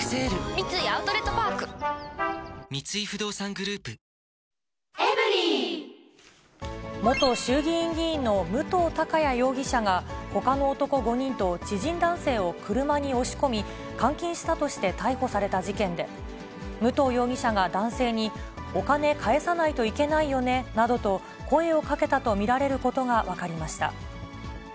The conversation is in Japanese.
三井アウトレットパーク三井不動産グループ元衆議院議員の武藤貴也容疑者が、ほかの男５人と知人男性を車に押し込み、監禁したとして逮捕された事件で、武藤容疑者が男性に、お金返さないといけないよねなどと、声をかけたと見られることが分かりました。